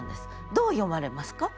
どう読まれますか？